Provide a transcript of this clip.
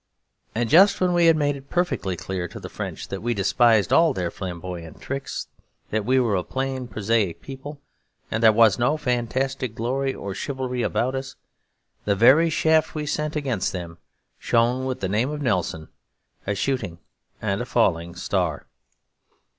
And just when we had made it perfectly clear to the French that we despised all their flamboyant tricks, that we were a plain prosaic people and there was no fantastic glory or chivalry about us, the very shaft we sent against them shone with the name of Nelson, a shooting and a falling star.